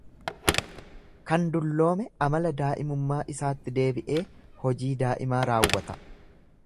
Kan dulloome amala daa'imummaa isaatti deebi'ee hojii daa'imaa raawwata.